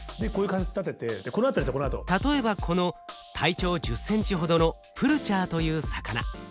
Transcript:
例えばこの体長１０センチほどのプルチャーという魚。